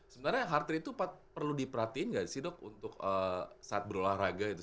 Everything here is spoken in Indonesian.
sebenarnya heart rate itu perlu diperhatiin nggak sih dok untuk saat berolahraga gitu